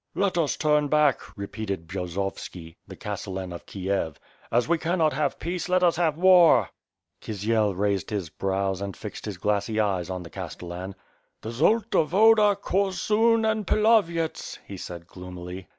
"Let us turn back," repeated Bjozovski, the Castellan of Kiev. "As we cannot have peace, let us have war!" Kisiel raised his brows and fixed his glassy eyes on the Castellan. "The Zolta Woda, Korsun, and Pilavyets," he said gloomily.